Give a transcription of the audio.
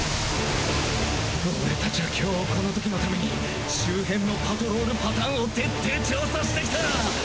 俺たちゃ今日この時の為に周辺のパトロールパターンを徹底調査してきた！